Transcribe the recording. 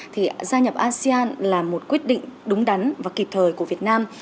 thì gia nhập asean là một quyết định đúng đắn và kịp thời của việt nam